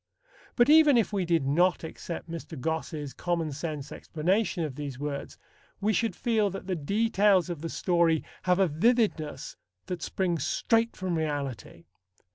But even if we did not accept Mr. Gosse's common sense explanation of these words, we should feel that the details of the story have a vividness that springs straight from reality.